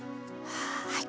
はい。